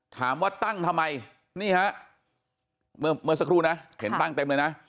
ถามว่าตั้งทำไมนี่ฮะเมื่อสักครู่นะเห็นตั้งเต็มเลยนะ